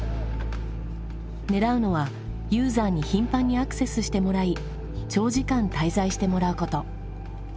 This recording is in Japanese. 狙うのはユーザーに頻繁にアクセスしてもらい長時間滞在してもらうこと。